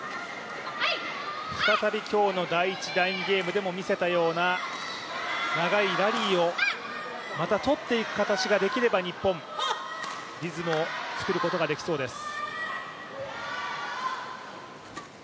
再び今日の第１、第２ゲームでも見せたような、長いラリーをまたとっていく形ができれば日本、リズムを作ることができそうです。